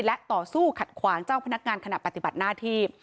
และต่อสู้ขัดขวางเจ้าพนักงานขณะปฏิบัติหน้าที่